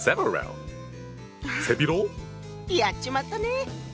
やっちまったね！